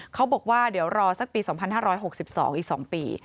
เขาบอกว่าเดี๋ยวรอสักปี๒๕๖๒อีก๒ปี